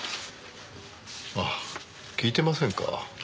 あっ聞いてませんか。